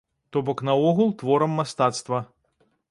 То-бок, наогул творам мастацтва.